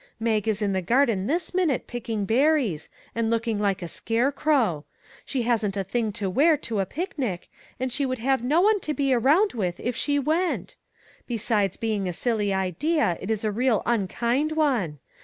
Mag is in the garden this minute picking berries, and looking like a scarecrow. She hasn't anything to wear to a picnic, and she would have no one to be around with, if she went. Besides being a silly idea, it is a real unkind one.